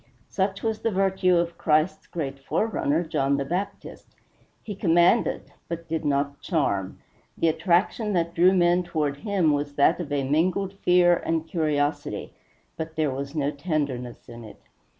Such was the virtue of Christ's great forerunner, John the Baptist. He commanded, but did not charm; the attraction that drew men toward him was that of mingled fear and curiosity, but there was no tenderness in it.